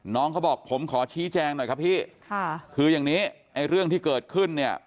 น้องเขาบอกผมขอชี้แจงหน่อยครับพี่ค่ะคืออย่างนี้ไอ้เรื่องที่เกิดขึ้นเนี่ย